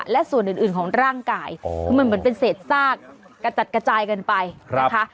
และส่วนอื่นของร่างกายคือมันเหมือนเป็นเศษซากกระจัดกระจายกันไปนะคะ